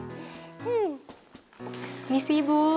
ini sih bu